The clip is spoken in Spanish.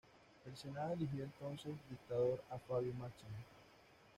El Senado eligió entonces dictador a Fabio Máximo.